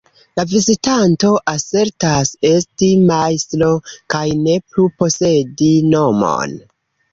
La vizitanto asertas esti "Majstro" kaj ne plu posedi nomon.